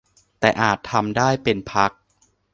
แต่อาจทำได้เป็นพัก